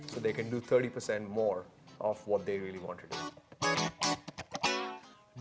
jadi mereka bisa menghemat tiga puluh persen lebih dari apa yang mereka inginkan